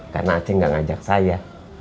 karena aceh nggak ngajak saya